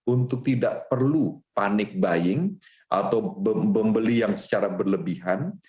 untuk tidak perlu panik buying atau membeli yang secara berlebihan